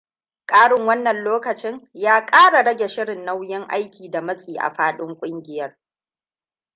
Karin wannan lokacin ya kara rage shirin nauyin aiki da matsi a faɗin kungiyar.